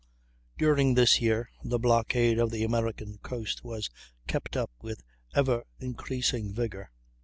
During this year the blockade of the American coast was kept up with ever increasing rigor.